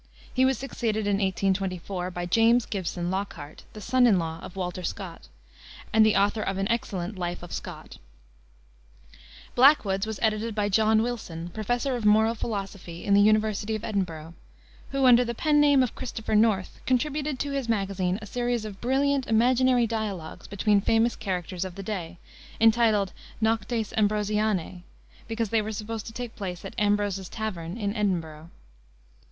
He was succeeded in 1824 by James Gibson Lockhart, the son in law of Walter Scott, and the author of an excellent Life of Scott. Blackwood's was edited by John Wilson, Professor of Moral Philosophy in the University of Edinburgh, who, under the pen name of "Christopher North," contributed to his magazine a series of brilliant, imaginary dialogues between famous characters of the day, entitled Noctes Ambrosianae, because they were supposed to take place at Ambrose's tavern in Edinburgh.